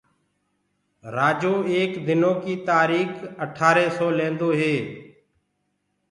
رآجو ايڪ دنو ڪيٚ تآريٚڪ اٺآري سو لينٚدو هي